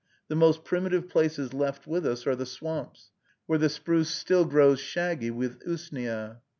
The most primitive places left with us are the swamps, where the spruce still grows shaggy with usnea.